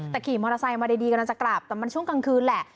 แต่ขี่มอเตอร์ไซค์มาดีกำลังจะกลับแต่มันช่วงกลางคืนแหละ